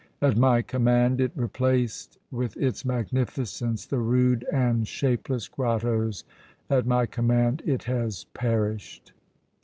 "At my command it replaced with its magnificence the rude and shapeless grottoes, at my command it has perished!"